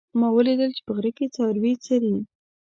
ما ولیدل چې په غره کې څاروي څري